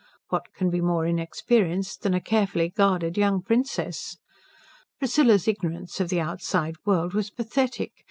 What can be more inexperienced than a carefully guarded young princess? Priscilla's ignorance of the outside world was pathetic.